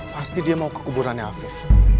pasti dia mau ke kuburannya afif